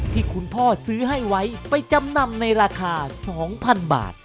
ที่คุณพ่อซื้อให้ไว้ไปจำนำในราคา๒๐๐๐บาท